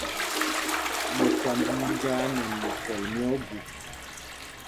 Ɓɛ tāmb njāā nɛ mikɔl mí ogu.